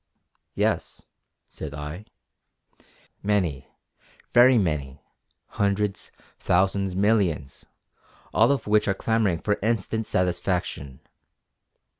"Yes" said I, "many, very many, hundreds, thousands, millions, all of which are clamouring for instant satisfaction!"